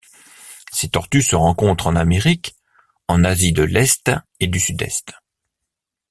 Ces tortues se rencontrent en Amérique, en Asie de l'Est et du Sud-Est.